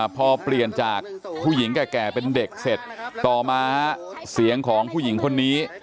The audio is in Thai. พอเปลี่ยนจากผู้หญิงแก่เป็นเด็กเสร็จต่อมาเสียงของผู้หญิงคนนี้